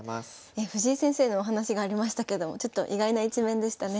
藤井先生のお話がありましたけどちょっと意外な一面でしたね。